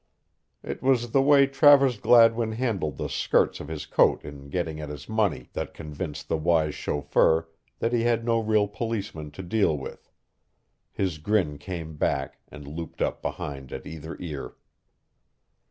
It was the way Travers Gladwin handled the skirts of his coat in getting at his money that convinced the wise chauffeur that he had no real policeman to deal with. His grin came back and looped up behind at either ear.